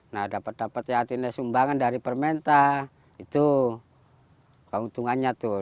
nah dapat dapat ya artinya sumbangan dari permenta itu keuntungannya tuh